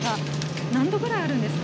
何度ぐらいあるんですか？